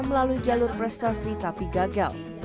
melalui jalur prestasi tapi gagal